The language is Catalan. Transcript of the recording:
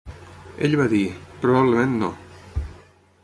Ell va dir: "Probablement no.